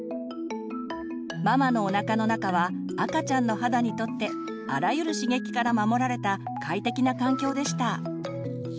ママのおなかの中は赤ちゃんの肌にとってあらゆる刺激から守られた快適な環境でした。